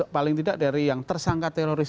paling tidak dari yang tersangka teroris